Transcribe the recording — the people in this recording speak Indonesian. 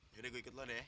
yaudah gue ikut lu deh